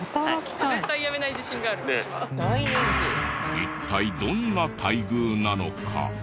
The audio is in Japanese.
一体どんな待遇なのか？